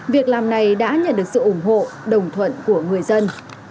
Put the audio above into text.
việc làm này đã nhận được sự ủng hộ đồng thuận của người dân